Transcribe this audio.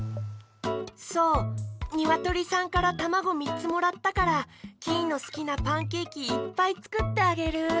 そうにわとりさんからたまごみっつもらったからキイのすきなパンケーキいっぱいつくってあげる。